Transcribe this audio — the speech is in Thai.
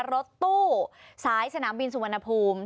รถตู้สายสนามบินสุวรรณภูมิ